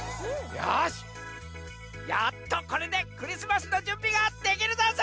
よしやっとこれでクリスマスのじゅんびができるざんす！